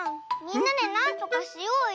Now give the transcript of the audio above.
みんなでなんとかしようよ！